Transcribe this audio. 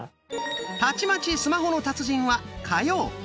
「たちまちスマホの達人」は火曜。